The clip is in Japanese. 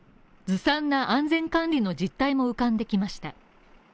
ずさんな安全管理の実態も浮かんできました。